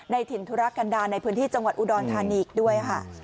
ในถิ่นธุระกันดาในพื้นที่จังหวัดอูดรคารีกด้วย